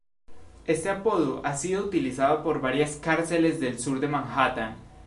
Este apodo ha sido utilizado por varias cárceles del sur de Manhattan.